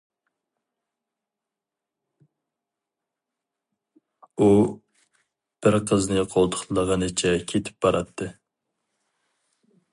ئۇ بىر قىزنى قولتۇقلىغىنىچە كېتىپ باراتتى.